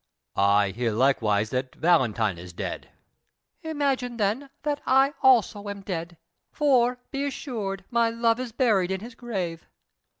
"I hear likewise that Valentine is dead." "Imagine, then, that I am also dead; for, be assured, my love is buried in his grave."